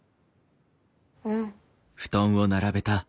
うん。